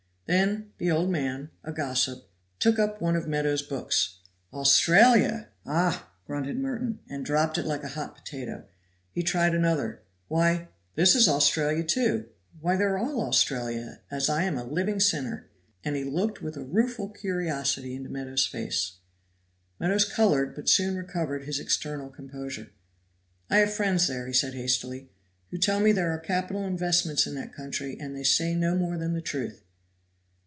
Then the old man, a gossip, took up one of Meadows' books. "Australia! ah!" grunted Merton, and dropped it like a hot potato; he tried another, "Why, this is Australia, too; why, they are all Australia, as I am a living sinner." And he looked with a rueful curiosity into Meadows' face. Meadows colored, but soon recovered his external composure. "I have friends there," said he hastily, "who tell me there are capital investments in that country, and they say no more than the truth."